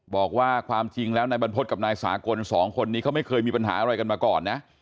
บอกว่าความจริงแล้วนายบรรพฤษกับนายสากลสองคนนี้เขาไม่เคยมีปัญหาอะไรกันมาก่อนนะ